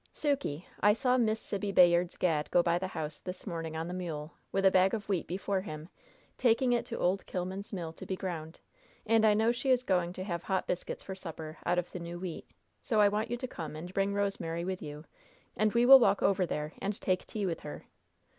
"Sukey: I saw Miss Sibby Bayard's Gad go by the house this morning on the mule, with a bag of wheat before him, taking it to old Killman's mill to be ground, and I know she is going to have hot biscuits for supper out of the new wheat; so I want you to come and bring Rosemary with you, and we will walk over there and take tea with her.